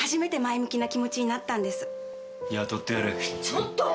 ちょっと！